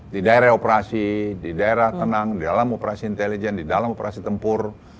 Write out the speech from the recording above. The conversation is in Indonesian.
di daerah operasi di daerah tenang di dalam operasi intelijen di dalam operasi tempur